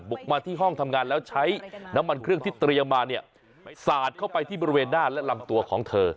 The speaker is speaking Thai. บุกมาที่ห้องทำงานแล้วใช้น้ำมันเครื่องที่เตรียมมาเนี่ยสาดเข้าไปที่บริเวณหน้าและลำตัวของเธอ